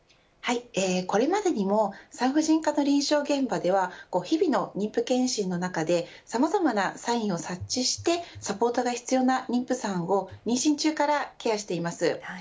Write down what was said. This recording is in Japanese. これまでにも産婦人科の臨床現場では日々の妊婦健診の中でさまざまなサインを察知してサポートが必要な妊婦さんを妊娠中からケアしています。